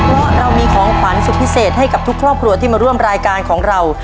เพราะเรามีของขวัญสุดพิเศษให้กับทุกครอบครัวที่มาร่วมรายการของเรา